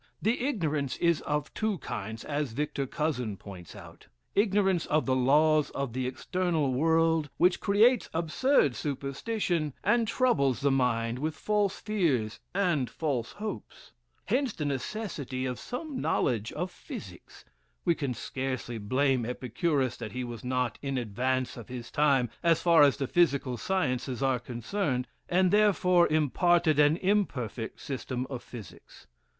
This ignorance is of two kinds, as Victor Cousin points out; ignorance of the laws of the external world, which creates absurd superstitions, and troubles the mind with false fears and false hopes. Hence the necessity of some knowledge of physics." (We can scarcely blame Epicurus that he was not in advance of his time, as far as the physical sciences are concerned, and therefore imparted an imperfect system of physics.